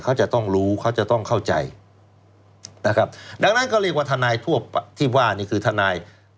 เขาจะต้องรู้เขาจะต้องเข้าใจนะครับดังนั้นก็เรียกว่าทนายทั่วที่ว่านี่คือทนาย